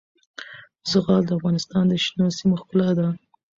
زغال د افغانستان د شنو سیمو ښکلا ده.